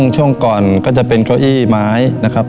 ช่วงก่อนก็จะเป็นเก้าอี้ไม้นะครับ